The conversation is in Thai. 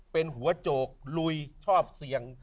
เป็นหัวโจกลุยชอบเสี่ยง